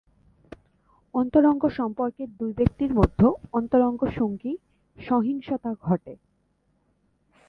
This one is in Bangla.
অন্তরঙ্গ সম্পর্কের দুই ব্যক্তির মধ্যে অন্তরঙ্গ সঙ্গী সহিংসতা ঘটে।